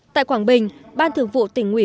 tại quảng bình ban thường vụ tỉnh ủy